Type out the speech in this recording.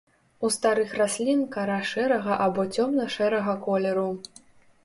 У старых раслін кара шэрага або цёмна-шэрага колеру.